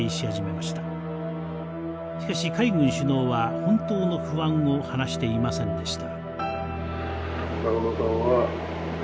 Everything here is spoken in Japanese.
しかし海軍首脳は本当の不安を話していませんでした。